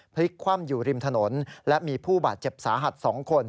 พลิกคว่ำอยู่ริมถนนและมีผู้บาดเจ็บสาหัส๒คน